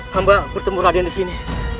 saya akan menemukan raden di sini